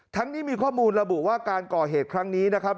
นี้มีข้อมูลระบุว่าการก่อเหตุครั้งนี้นะครับ